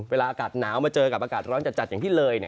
เวลาอากาศหนาวมาเจอกับอากาศร้อนจัดอย่างที่เลย